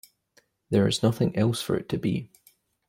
There is nothing else for it to be.